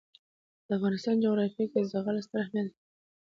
د افغانستان جغرافیه کې زغال ستر اهمیت لري.